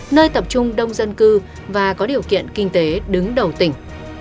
nơi tập trung đông dân cư và có điều kiện kinh tế đứng đầu tỉnh